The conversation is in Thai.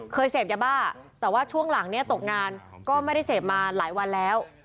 เสพยาบ้าแต่ว่าช่วงหลังเนี่ยตกงานก็ไม่ได้เสพมาหลายวันแล้ว